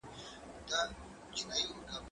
زه پرون لیکل وکړل